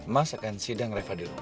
mas akan sidang reva di rumah